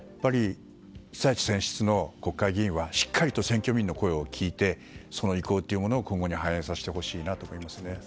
被災地選出の国会議員はしっかりと選挙民の声を聞いて意向というものを今後に反映してほしいなと思います。